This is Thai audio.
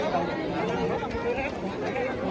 สวัสดีครับ